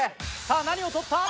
さあ何を取った？